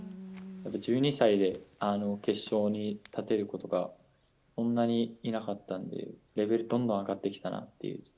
１２歳であの決勝に立てる子とかはそんなにいなかったんで、レベル、どんどん上がってきたなっていう。